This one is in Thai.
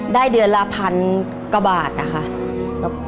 ได้เดือนละพันกระบาทอะค่ะ